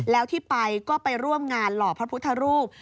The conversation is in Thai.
แล้วที่ไปก็ไปร่วมงานหล่อพระพุทธรูป